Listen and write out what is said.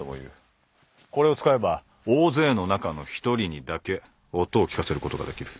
これを使えば大勢の中の一人にだけ音を聞かせることができる。